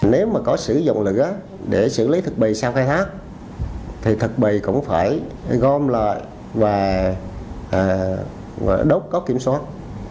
nếu mà có sử dụng lửa để xử lý thực bị sau khai thác thì thực bì cũng phải gom lại và đốt có kiểm soát